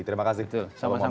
terima kasih pak muhammad faisal